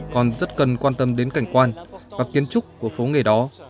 còn rất cần quan tâm đến cảnh quan và kiến trúc của phố nghề đó